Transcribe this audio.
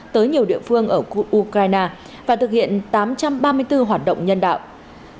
tới nhiều địa phương ở ukraine và thực hiện tám trăm ba mươi bốn hoạt động nhân đạo